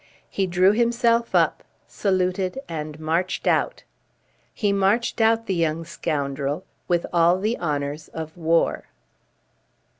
He drew himself up, saluted, and marched out. He marched out, the young scoundrel, with all the honours of war.